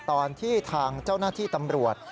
ตอนที่ทางเจ้าหน้าที่ตำรวจ